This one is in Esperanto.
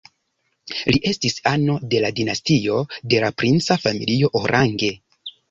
Li estis ano de la dinastio de la princa familio Orange.